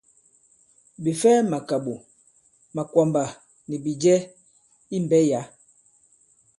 Ɓè fɛ màkàɓò, màkwàmbà nì bìjɛ i mbɛ̌ yǎ.